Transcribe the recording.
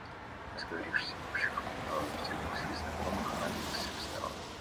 Разговорившись об общих петербургских знакомых, Анна быстро встала.